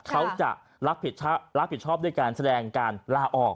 เขาจะรับผิดชอบด้วยการแสดงการลาออก